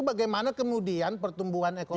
bagaimana kemudian pertumbuhan ekonomi